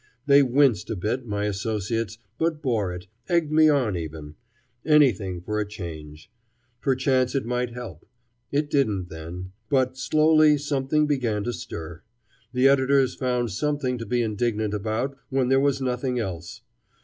They winced a bit, my associates, but bore it, egged me on even. Anything for a change. Perchance it might help. It didn't then. But slowly something began to stir. The editors found something to be indignant about when there was nothing else.